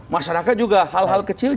masyarakat juga hal hal kecil